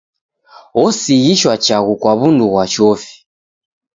Osighishwa chaghu kwa w'undu ghwa chofi.